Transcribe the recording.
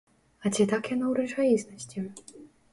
А ці так яно ў рэчаіснасці?